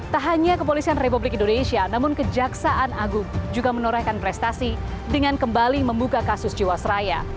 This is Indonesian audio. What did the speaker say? tak hanya kepolisian republik indonesia namun kejaksaan agung juga menorehkan prestasi dengan kembali membuka kasus jiwasraya